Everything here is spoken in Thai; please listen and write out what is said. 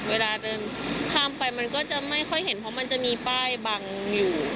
เวลาเดินข้ามไปมันก็จะไม่ค่อยเห็นเพราะมันจะมีป้ายบังอยู่